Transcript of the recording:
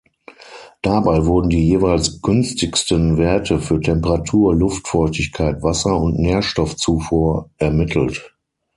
Dabei wurden die jeweils günstigsten Werte für Temperatur, Luftfeuchtigkeit, Wasser- und Nährstoffzufuhr ermittelt.